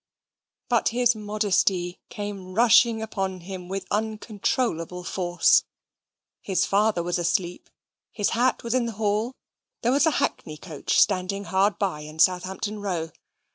But his modesty came rushing upon him with uncontrollable force. His father was asleep: his hat was in the hall: there was a hackney coach standing hard by in Southampton Row.